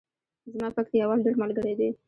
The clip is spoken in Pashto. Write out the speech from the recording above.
زما پکتیاوال ډیر ملګری دی